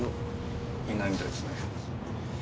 いないみたいですね。